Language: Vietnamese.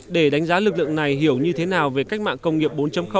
để đánh giá lực lượng này hiểu như thế nào về cách mạng công nghiệp bốn